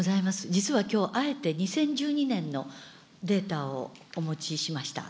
実はきょう、あえて２０１２年のデータをお持ちしました。